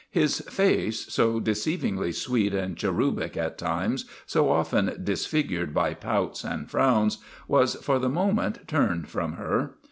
His face, so deceivingly sweet and cherubic at times, so often disfigured by pouts and frowns, was for the moment turned from her.